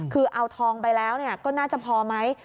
คือเอาทองไปแล้วก็น่าจะพอไหม